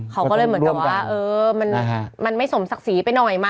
เขาก็เลยเหมือนกับว่ามันไม่สมศักดิ์ศรีไปหน่อยมั